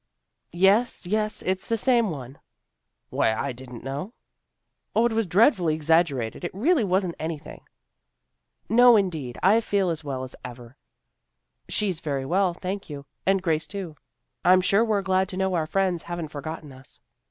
" Yes, yes, it's the same one." " Why, I didn't know." " O, it was dreadfully exaggerated. It really wasn't anything." AN UNEXPECTED VISITOR 339 " No indeed. I feel as well as ever." " She's very well, thank you, and Grace too." " I'm sure we're glad to know our friends haven't forgotten us."